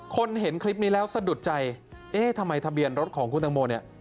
เห็นคลิปนี้แล้วสะดุดใจเอ๊ะทำไมทะเบียนรถของคุณตังโมเนี่ย